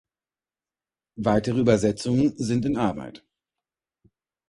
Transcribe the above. Weitere Übersetzungen sind in Arbeit.